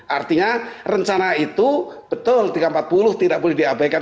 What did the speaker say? artinya rencana itu betul tiga ratus empat puluh tidak boleh diabaikan